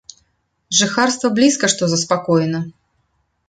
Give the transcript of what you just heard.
Жыхарства блізка што заспакоена.